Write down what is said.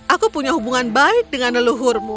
aku punya hubungan baik dengan leluhurmu